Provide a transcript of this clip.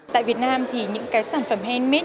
tại việt nam thì những cái sản phẩm handmade